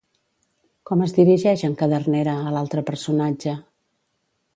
Com es dirigeix en Cadernera a l'altre personatge?